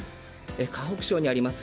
河北省にあります